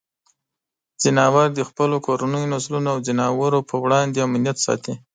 ځناور د خپلو کورنیو نسلونو او ځناورو پر وړاندې امنیت ساتي.